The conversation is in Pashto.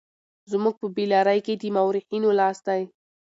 زموږ په بې لارۍ کې د مورخينو لاس دی.